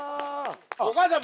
お母さん。